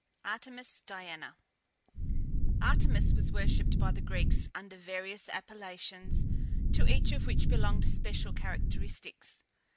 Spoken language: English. ARTEMIS (DIANA). Artemis was worshipped by the Greeks under various appellations, to each of which belonged special characteristics.